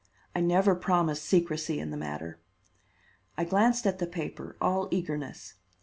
I never promised secrecy in the matter." I glanced at the paper, all eagerness.